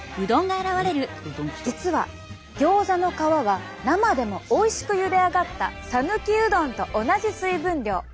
実はギョーザの皮は生でもおいしくゆで上がったさぬきうどんと同じ水分量。